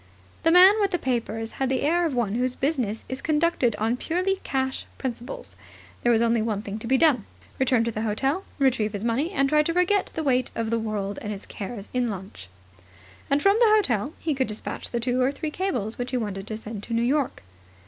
The man with the papers had the air of one whose business is conducted on purely cash principles. There was only one thing to be done, return to the hotel, retrieve his money, and try to forget the weight of the world and its cares in lunch. And from the hotel he could despatch the two or three cables which he wanted to send to New York.